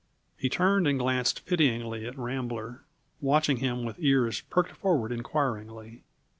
He turned and glanced pityingly at Rambler, watching him with ears perked forward inquiringly.